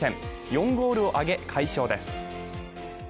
４ゴールを挙げ、快勝です。